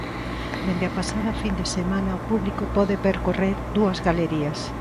Dende a pasada fin de semana o público pode percorrer dúas galerías.